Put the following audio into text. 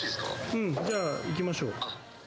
うん、じゃあいきましょう。